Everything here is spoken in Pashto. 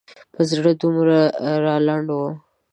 په زړه دومره رالنډ و.